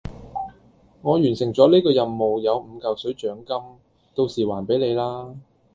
我完成咗呢個任務有五嚿水獎金，到時還俾你啦